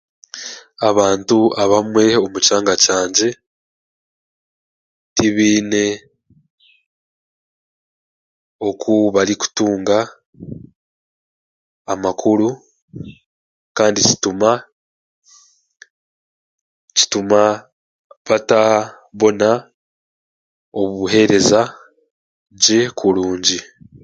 Abantu abamwe omu kyanga kyangye tibiine okubarikutunga amakuru kandi kituma batabona obuhereza gye kurungi.